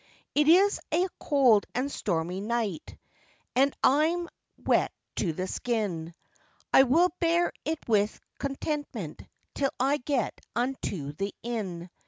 It is a cold and stormy night, and I'm wet to the skin, I will bear it with contentment till I get unto the inn.